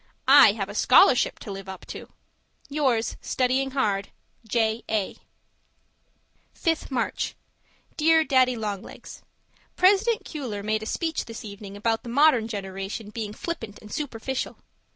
I have a scholarship to live up to. Yours, studying hard, J. A. 5th March Dear Daddy Long Legs, President Cuyler made a speech this evening about the modern generation being flippant and superficial.